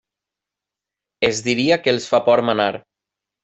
Es diria que els fa por manar.